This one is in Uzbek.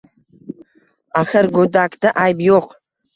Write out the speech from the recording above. axir go`dakda ayb yo`q